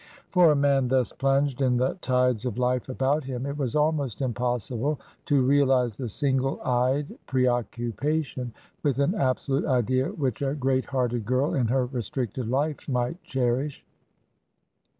For a man thus plunged in the tides of life about him it was almost impossible to realize the single eyed pre occupation with an absolute idea which a great hearted girl in her restricted life might cherish.